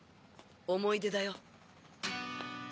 思い出だよ。